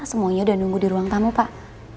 semuanya udah nunggu di ruang tamu pak